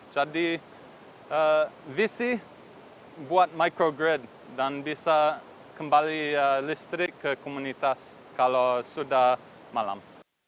jadi visi buat microgrid dan bisa kembali listrik ke komunitas kalau sudah malam